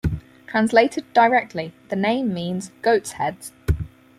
Translated directly, the name means "Goats' Heads".